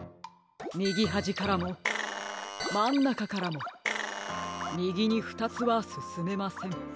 みぎはじからもまんなかからもみぎにふたつはすすめません。